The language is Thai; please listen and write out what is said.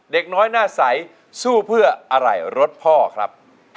เด็กน้อยหน้าใสสู้เพื่ออะไรรถพ่อครับ